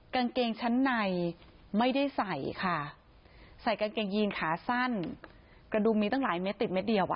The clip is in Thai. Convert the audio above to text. กางเกงชั้นในไม่ได้ใส่ค่ะใส่กางเกงยีนขาสั้นกระดูกมีตั้งหลายเม็ดติดเม็ดเดียวอ่ะ